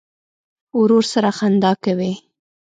ورور سره خندا کوې.